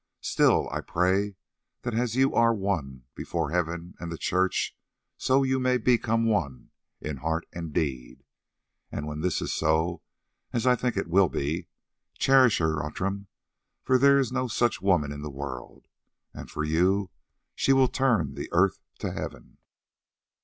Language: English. Still, I pray that as you are one before Heaven and the Church, so you may become one in heart and deed. And when this is so, as I think that it will be, cherish her, Outram, for there is no such woman in the world, and for you she will turn the earth to heaven."